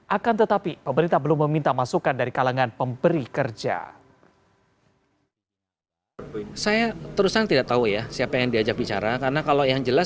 akan tetapi pemerintah belum meminta masukan dari kalangan pemberi kerja